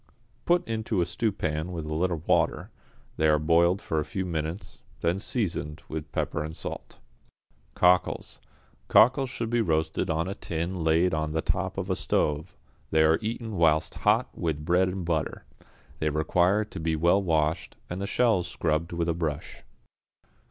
Put into a stewpan with a little water, they are boiled for a few minutes, then seasoned with pepper and salt. =Cockles.= Cockles should be roasted on a tin laid on the top of a stove; they are eaten whilst hot with bread and butter. They require to be well washed, and the shells scrubbed with a brush.